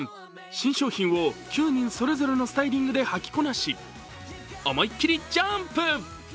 新商品を９人それぞれのスタイリングで履きこなし、思いっきりジャンプ。